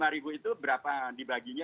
empat puluh lima ribu itu berapa dibaginya